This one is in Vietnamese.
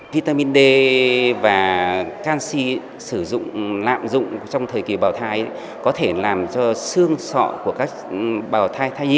vitamin d và canxi sử dụng lạm dụng trong thời kỳ bào thai có thể làm cho xương sọ của các bào thai thay nhi